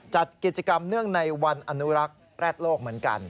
จัดกิจกรรมเนื่องในวันอนุรักษ์แร็ดโลกเหมือนกัน